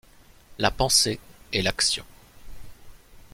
La Pensée et l’Action.